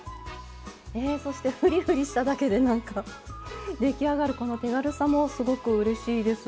そして、ふりふりしただけで出来上がる手軽さもうれしいです。